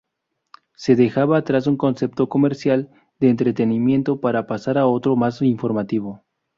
Se dejaba atrás un concepto comercial, de entretenimiento para pasar a otro más informativo.